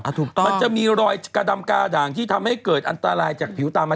ถูกต้องมันจะมีรอยกระดำกาด่างที่ทำให้เกิดอันตรายจากผิวตามมา